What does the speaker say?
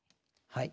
はい。